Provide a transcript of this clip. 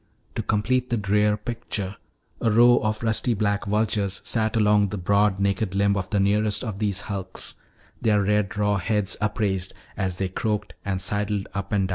To complete the drear picture a row of rusty black vultures sat along the broad naked limb of the nearest of these hulks, their red raw heads upraised as they croaked and sidled up and down.